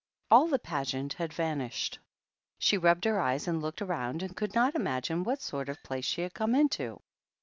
All the Pageant had vanished. She rubbed her eyes and looked around, and could not imagine what sort of place she had come into.